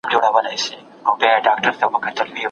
د اسلامي ارزښتونو ساتنه زموږ دنده ده.